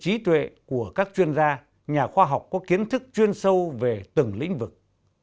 giải quyết của các chuyên gia nhà khoa học có kiến thức chuyên sâu về từng lĩnh vực